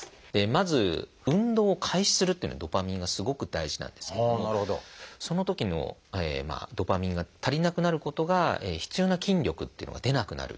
まず運動を開始するっていうのにドパミンがすごく大事なんですけどもそのときのドパミンが足りなくなることが必要な筋力というのが出なくなる。